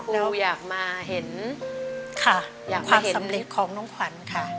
เราอยากมาเห็นความสำเร็จของน้องขวัญค่ะ